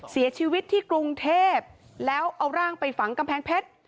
เสียชีวิตที่กรุงเทพแล้วเอาร่างไปฝังกำแพงเพชร